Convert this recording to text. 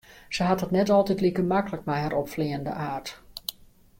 Se hat it net altyd like maklik mei har opfleanende aard.